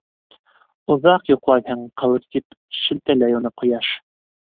- Оҙаҡ йоҡлайһың, Ҡылыс, - тип шелтәләй уны ҡояш.